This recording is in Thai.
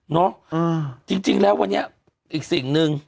เนาะจริงแล้ววันนี้อีกสิ่งนึง